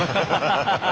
ハハハハハ。